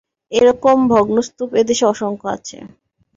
এরকম ভগ্নস্তূপ এ দেশে অসংখ্য আছে।